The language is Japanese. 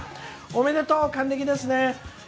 おめでとう、還暦ですね。